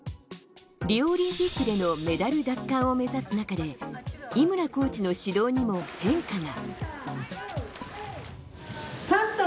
リオオリンピックでのメダル奪還を目指す中で、井村コーチの指導にも変化が。